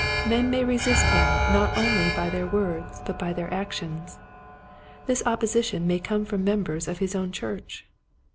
Men may resist him not only by their words but by their actions. This opposi tion may come from members of his own church.